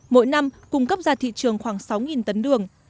mỗi năm cung cấp ra thị trường khoảng sáu tấn đường